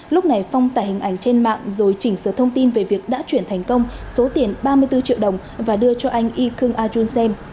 lúc này phong tải hình ảnh trên mạng rồi chỉnh sửa thông tin về việc đã chuyển thành công số tiền ba mươi bốn triệu đồng và đưa cho anh y cương a chun xem